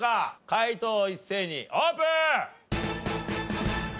解答一斉にオープン！